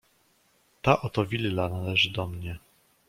"Ta oto willa należy do mnie."